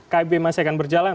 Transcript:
kib masih akan berjalan